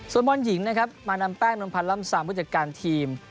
ส่วนบอลหญิงนะครับมาดามแป้งนวลพันธ์ล่ำซามผู้จัดการทีม